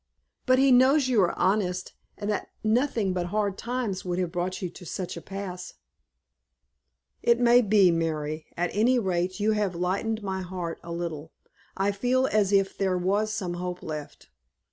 "But he knows you are honest, and that nothing but the hard times would have brought you to such a pass." "It may be, Mary. At any rate you have lightened my heart a little. I feel as if there was some hope left."